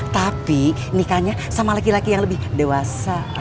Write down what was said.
tapi nikahnya sama laki laki yang lebih dewasa